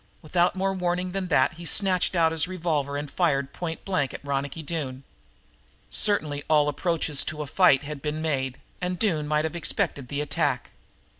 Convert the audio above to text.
Without more warning than that he snatched out his revolver and fired point blank at Ronicky Doone. Certainly all the approaches to a fight had been made, and Doone might have been expecting the attack.